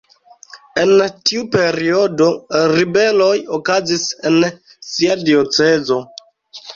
En tiu periodo ribeloj okazis en sia diocezo.